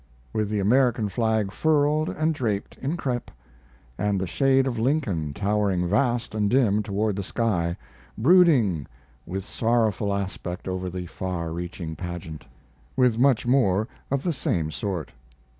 with the American flag furled and draped in crepe, and the shade of Lincoln towering vast and dim toward the sky, brooding with sorrowful aspect over the far reaching pageant. With much more of the same sort.